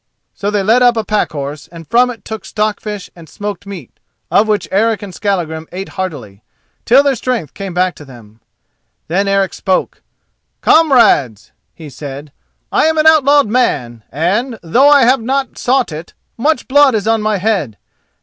So they led up a pack horse and from it took stockfish and smoked meat, of which Eric and Skallagrim ate heartily, till their strength came back to them. Then Eric spoke. "Comrades," he said, "I am an outlawed man, and, though I have not sought it, much blood is on my head.